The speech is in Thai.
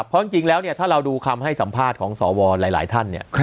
เพราะจริงแล้วถ้าเราดูคำให้สัมภาษณ์ของสวหลายท่าน